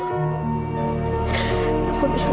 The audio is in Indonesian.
aku bisa lakukan yang sama